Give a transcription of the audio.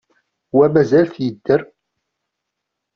Wa mazal-t yedder.